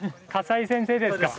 西先生ですか？